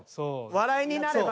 笑いになれば。